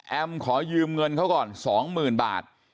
แอมขอยืมเงินเขาก่อน๒หมื่นบาท